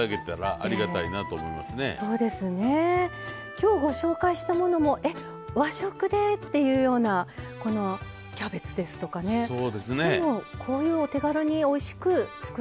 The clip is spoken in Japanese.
今日ご紹介したものもえっ和食で？っていうようなこのキャベツですとかねこういうお手軽においしく作れると。